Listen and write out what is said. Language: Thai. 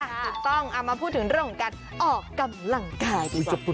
เอามาพูดถึงเรื่องของการออกกำลังกายดีกว่า